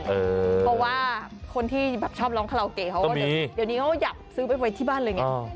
เพราะว่าคนที่ชอบร้องคาราโอเกะเขาก็เดี๋ยวนี้เขาอยากซื้อไว้ที่บ้านเลยไง